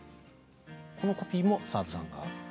このコピーも澤田さんが。